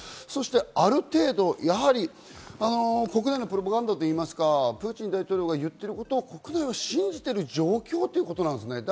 ある程度国内のプロパガンダというか、プーチン大統領が言うことを国民は信じている状況ということなんですね。